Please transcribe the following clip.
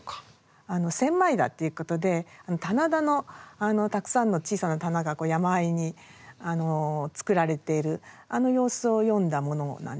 「千枚田」ということで棚田のたくさんの小さな棚が山あいに作られているあの様子を詠んだものなんですよね。